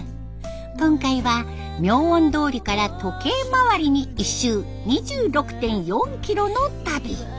今回は妙音通から時計回りに一周２６．４キロの旅。